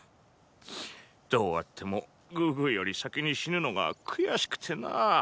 どうあってもグーグーより先に死ぬのが悔しくてな。